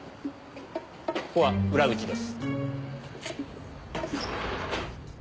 ここは裏口です。